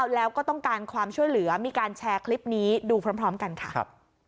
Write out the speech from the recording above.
แล้วก็ต้องการความช่วยเหลือมีการแชร์คลิปนี้ดูพร้อมกันค่ะ